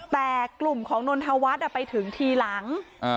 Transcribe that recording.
แต่กลุ่มของนนทวัฒน์ไปถึงทีหลัง